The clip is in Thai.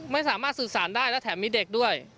ไม่สามารถสื่อสารได้และแถมมีเด็กด้วย